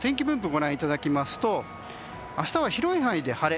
ご覧いただきますと明日は広い範囲で晴れ。